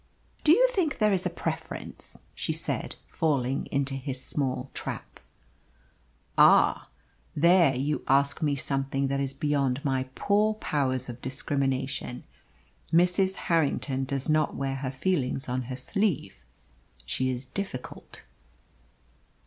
"Do you think there is a preference?" she said, falling into his small trap. "Ah! There you ask me something that is beyond my poor powers of discrimination. Mrs. Harrington does not wear her feelings on her sleeve. She is difficult."